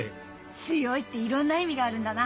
強いっていろんな意味があるんだな。